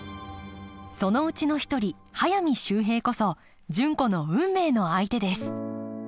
そのうちの一人速水秀平こそ純子の運命の相手です